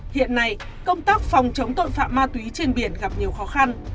hiện nay công tác phòng chống tội phạm ma túy trên biển gặp nhiều khó khăn